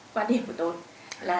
quan điểm của tôi là